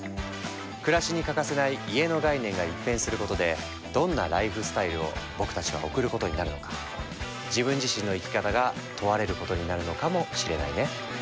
暮らしに欠かせない家の概念が一変することでどんなライフスタイルを僕たちは送ることになるのか自分自身の生き方が問われることになるのかもしれないね。